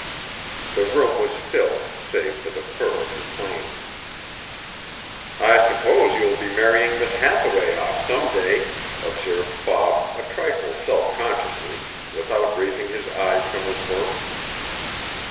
The room was still save for the purr of the plane. "I suppose you will be marrying Miss Hathaway off some day," observed Bob a trifle self consciously, without raising his eyes from his work.